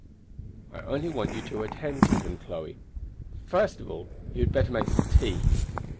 "I only want you to attend to him, Chloe. First of all you had better make some tea.